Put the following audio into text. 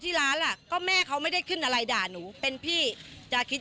ร้านอ่ะก็แม่เขาไม่ได้ขึ้นอะไรด่าหนูเป็นพี่จะคิด